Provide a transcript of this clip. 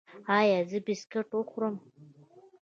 ایا زه بسکټ وخورم؟